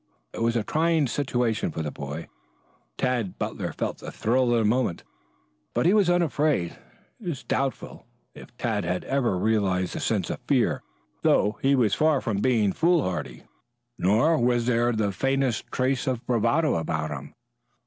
It was a trying situation for a boy. Tad Butler felt the thrill of the moment, but he was unafraid. It is doubtful if Tad ever had realized a sense of fear, though he was far from being foolhardy, nor was there the faintest trace of bravado about him.